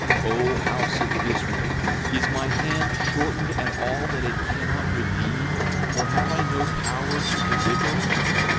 O house of Israel, is my hand shortened at all that it cannot redeem, or have I no power to deliver?